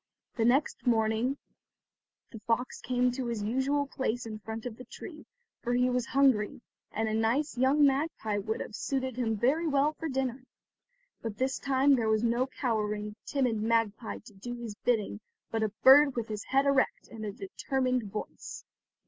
The next morning the fox came to his usual place in front of the tree, for he was hungry, and a nice young magpie would have suited him very well for dinner. But this time there was no cowering, timid magpie to do his bidding, but a bird with his head erect and a determined voice.